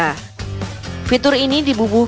fitur ini dibubuhkan agar uang kertas tidak terbunuh